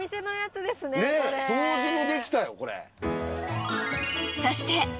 同時にできたよこれ。